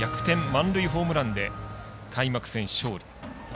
満塁ホームランで開幕戦勝利。